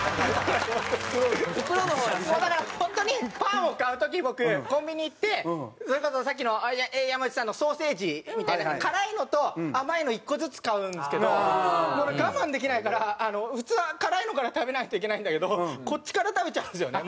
もうだからホントにパンを買う時僕コンビニ行ってそれこそさっきの山内さんのソーセージみたいに辛いのと甘いの１個ずつ買うんですけどこれ我慢できないから普通は辛いのから食べないといけないんだけどこっちから食べちゃうんですよね